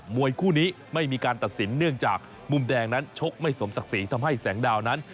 วยคู่นี้ไม่มีการตัดสินเนื่องจากมุมแดงนั้นชกไม่สมศักดิ์ศรีทำให้แสงดาวนั้น